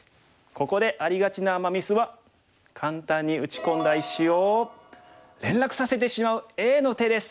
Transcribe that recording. ここでありがちなアマ・ミスは簡単に打ち込んだ石を連絡させてしまうＡの手です。